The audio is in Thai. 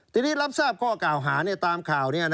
ทีนี้รับทราบข้อเก่าหาเนี่ยตามข่าวเนี่ย